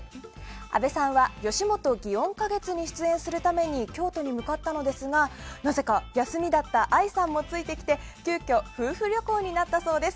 あべさんはよしもと祇園花月に出演するために京都に向かったのですがなぜか休みだった愛さんもついてきて、急きょ夫婦旅行になったそうです。